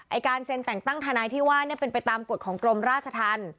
การเซ็นแต่งตั้งทนายที่ว่าเนี่ยเป็นไปตามกฎของกรมราชธรรม